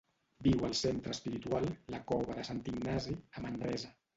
Viu al centre espiritual La Cova de Sant Ignasi, a Manresa.